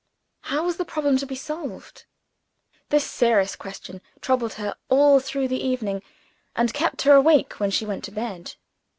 How was the problem to be solved? This serious question troubled her all through the evening, and kept her awake when she went to bed.